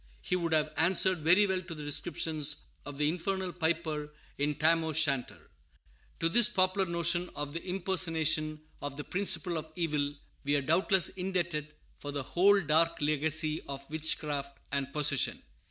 He would have answered very well to the description of the infernal piper in Tam O'Shanter. To this popular notion of the impersonation of the principle of evil we are doubtless indebted for the whole dark legacy of witchcraft and possession.